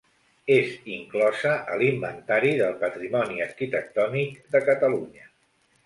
És inclosa a l'Inventari del Patrimoni Arquitectònic de Catalunya.